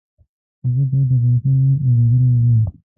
هغه باید د افغانستان نوم اورېدلی وي.